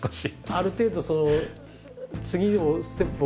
ある程度次のステップを。